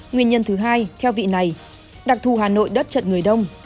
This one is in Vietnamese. nguyên nhân thứ hai theo vị này đặc thù hà nội đất trận người đông